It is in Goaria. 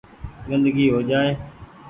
گندگي هو جآئي۔